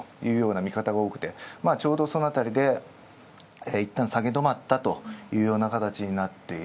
見方が多くて、ちょうどそのあたりでいったん下げ止まったというかたちになる。